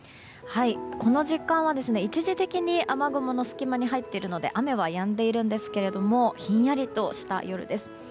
この時間は一時的に雨雲の隙間に入っているので雨はやんでいるんですけどもひんやりとした夜です。